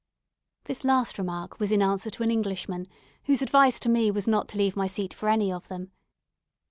This last remark was in answer to an Englishman, whose advice to me was not to leave my seat for any of them.